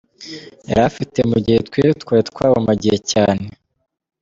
yari afite mu gihe twe twari twahumagiye cyane.